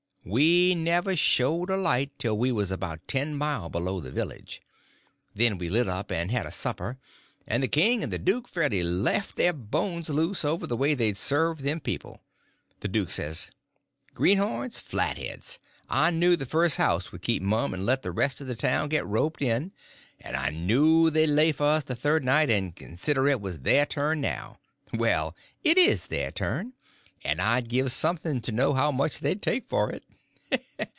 We never showed a light till we was about ten mile below the village. Then we lit up and had a supper, and the king and the duke fairly laughed their bones loose over the way they'd served them people. The duke says: "Greenhorns, flatheads! I knew the first house would keep mum and let the rest of the town get roped in; and I knew they'd lay for us the third night, and consider it was their turn now. Well, it is their turn, and I'd give something to know how much they'd take for it.